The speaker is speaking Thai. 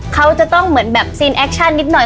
เค้าจะต้องเหมือนแบบเอตเช็นนิดหน่อย